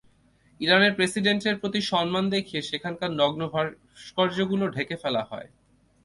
ইরানের প্রেসিডেন্টের প্রতি সম্মান দেখিয়ে সেখানকার নগ্ন ভাস্কর্যগুলো ঢেকে ফেলা হয়।